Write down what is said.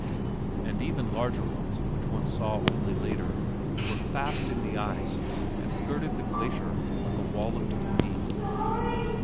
And even larger ones which one saw only later were fast in the ice and skirted the glacier like a wall of debris.